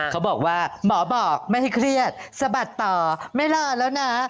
เขาบอกว่าหมอบอกไม่ให้เครียดสะบัดต่อไม่รอแล้วนะ